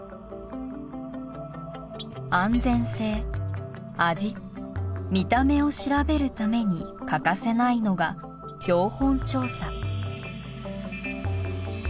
安全性味見た目を調べるために欠かせないのが標本調査。